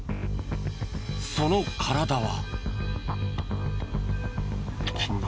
その体は。